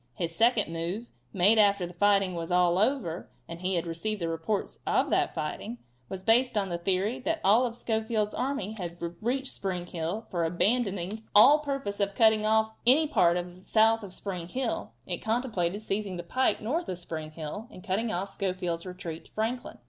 His second move, made after the fighting was all over, and he had received the reports of that fighting, was based on the theory that all of Schofield's army had reached Spring Hill, for, abandoning all purpose of cutting off any part south of Spring Hill, it contemplated seizing the pike north of Spring Hill and cutting off Schofield's retreat to Franklin.